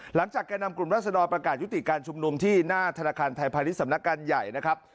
แก่นำกลุ่มรัศดรประกาศยุติการชุมนุมที่หน้าธนาคารไทยพาณิชสำนักการใหญ่นะครับ